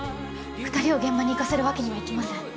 ２人を現場に行かせるわけにはいきません。